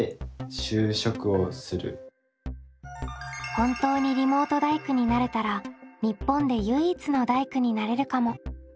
本当にリモート大工になれたら日本で唯一の大工になれるかも。